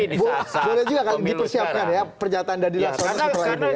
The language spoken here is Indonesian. disasarkan pemilu sekarang